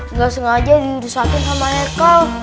nggak sengaja diuruskan sama ekel